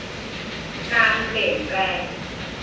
การเปลี่ยนแปลง